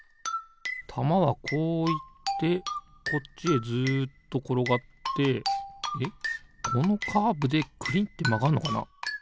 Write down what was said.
たまはこういってこっちへずっところがってえっこのカーブでくりってまがんのかな？